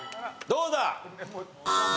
どうだ？